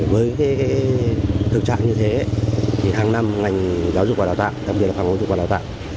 với thực trạng như thế hàng năm ngành giáo dục và đào tạo đặc biệt là phòng ứng dụng và đào tạo